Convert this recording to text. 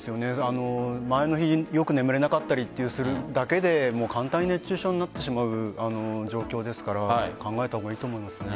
前の日よく眠れなかったりするだけで簡単に熱中症になってしまう状況ですから考えたほうがいいと思いますね。